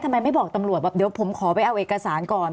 ทำไมไม่บอกตำรวจบอกเดี๋ยวผมขอไปเอาเอกสารก่อน